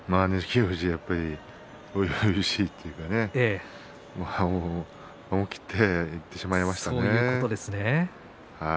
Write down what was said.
富士は初々しいというか思い切っていってしまいましたね。